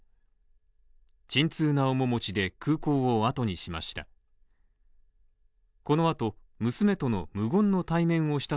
沈痛な面持ちで空港をあとにしました。